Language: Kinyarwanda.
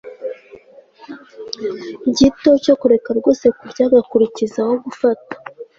gito cyo kureka rwose kurya agakurikizaho gufata